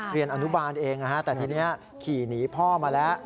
เรียนอนุบาลเองแต่ทีนี้ขี่หนีพ่อมาแล้ว